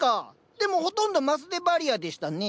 でもほとんどマスデバリアでしたね。